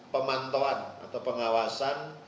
pemantauan atau pengawasan